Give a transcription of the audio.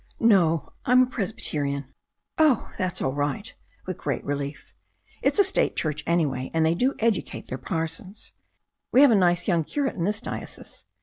"No, I am a Presbyterian." "Oh, that's all right," with great relief. "It's a state church anyway, and they do educate their parsons. We have a nice young curate in this diocese.